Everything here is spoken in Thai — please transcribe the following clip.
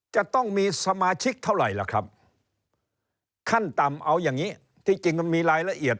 จะต้องมีสมาชิกเท่าไหร่ล่ะครับ